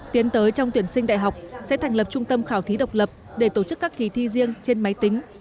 tiến tới trong tuyển sinh đại học sẽ thành lập trung tâm khảo thí độc lập để tổ chức các kỳ thi riêng trên máy tính